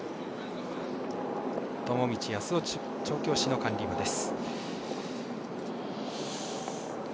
友道康夫調教師の管理馬です。